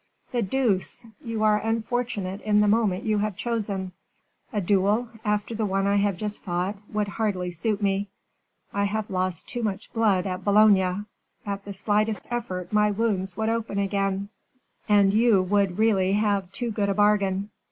"The deuce! you are unfortunate in the moment you have chosen; a duel, after the one I have just fought, would hardly suit me; I have lost too much blood at Boulogne; at the slightest effort my wounds would open again, and you would really have too good a bargain."